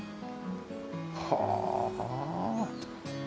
はあ。